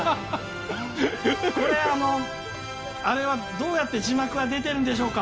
どうやって字幕は出てるんでしょうか。